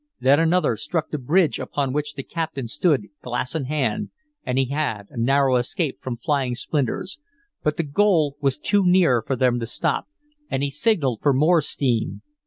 Then another struck the bridge upon which the captain stood glass in hand, and he had a narrow escape from flying splinters. But the goal was too near for them to stop, and he signaled for more steam.